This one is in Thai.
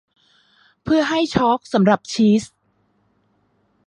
เพื่อให้ชอล์กสำหรับชีส